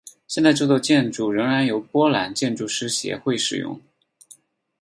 现在这座建筑仍然由波兰建筑师协会使用。